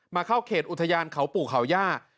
เข้าเขตอุทยานเขาปู่เขาย่า